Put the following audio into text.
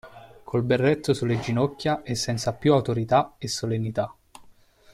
Col berretto sulle ginocchia e senza più autorità e solennità.